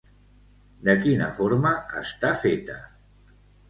De quina forma està feta?